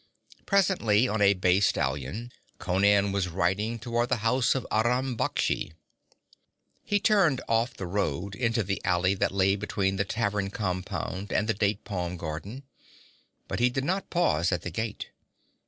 Presently, on a bay stallion, Conan was riding toward the house of Aram Baksh. He turned off the road into the alley that lay between the tavern compound and the date palm garden, but he did not pause at the gate.